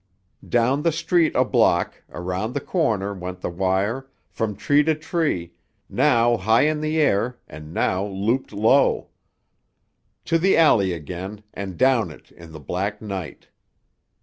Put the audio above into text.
Down the street a block, around the corner, went the wire, from tree to tree, now high in the air and now looped low. To the alley again, and down it in the black night!